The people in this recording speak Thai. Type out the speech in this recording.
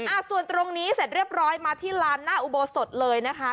ส่วนตรงนี้เสร็จเรียบร้อยมาที่ลานหน้าอุโบสถเลยนะคะ